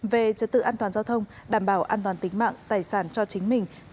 về trật tự an toàn giao thông đảm bảo an toàn tính mạng tài sản cho chính mình